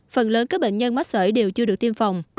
phần lớn các bệnh nhân mắc sởi đều chưa được tiêm phòng